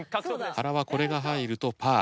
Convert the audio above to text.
原はこれが入るとパー。